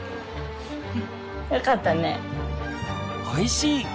おいしい？